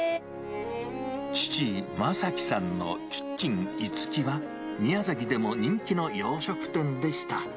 父、正樹さんのキッチン樹は宮崎でも人気の洋食店でした。